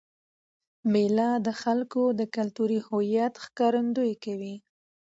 مېله د خلکو د کلتوري هویت ښکارندويي کوي.